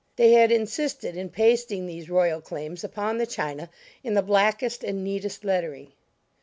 They had insisted in pasting these royal claims upon the china in the blackest and neatest lettering.